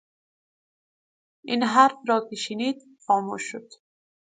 این حرف را که شنید خاموش شد